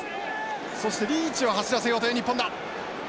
そしてリーチを走らせようという日本だ！